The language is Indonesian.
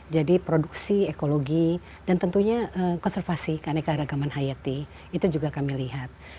jadi produksi ekologi dan tentunya konservasi keanekaragaman hayati itu juga kami lihat